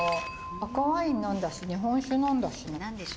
赤ワイン呑んだし日本酒呑んだし。